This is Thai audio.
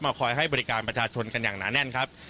คอยให้บริการประชาชนกันอย่างหนาแน่นครับ